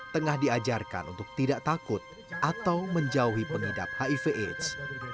tengah diajarkan untuk tidak takut atau menjauhi pengidap hivh